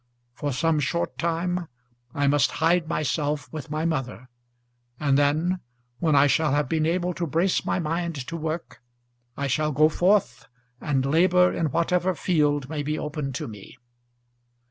For some short time I must hide myself with my mother; and then, when I shall have been able to brace my mind to work, I shall go forth and labour in whatever field may be open to me.